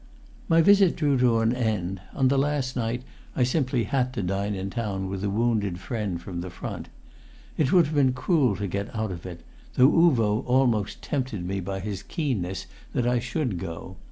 My visit drew to an end; on the last night I simply had to dine in town with a wounded friend from the front. It would have been cruel to get out of it, though Uvo almost tempted me by his keenness that I should go.